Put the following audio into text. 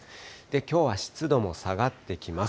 きょうは湿度も下がってきます。